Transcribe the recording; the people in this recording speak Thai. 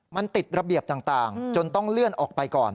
มันติดระเบียบต่างจนต้องเลื่อนออกไปก่อน